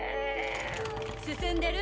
進んでる？